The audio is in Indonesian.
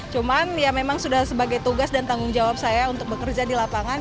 cuman ya memang sudah sebagai tugas dan tanggung jawab saya untuk bekerja di lapangan